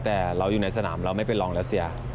แต่เราอยู่ในสนามเราไม่เป็นรองรัสเซีย